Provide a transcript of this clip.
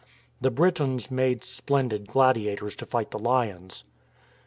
The Britons made splendid gladiators to fight the lions.